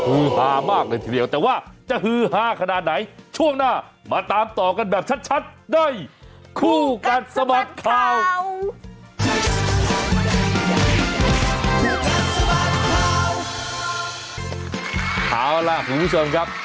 เอาล่ะเดี๋ยวเราผู้ชมครับ